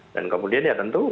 dan kemudian ya tentu